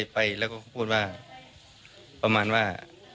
ไปก็พูดว่าประมาณว่า